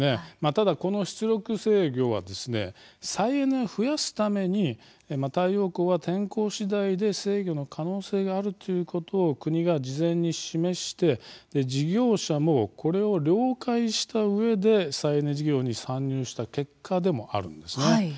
ただこの出力制御はですね再エネを増やすために太陽光は天候しだいで制御の可能性があるということを国が事前に示して事業者もこれを了解したうえで再エネ事業に参入した結果でもあるんですね。